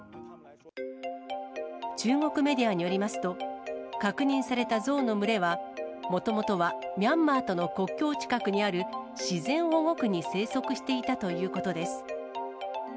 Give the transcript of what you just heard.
中国メディアによりますと、確認されたゾウの群れは、もともとはミャンマーとの国境近くにある自然保護区に生息していたということです。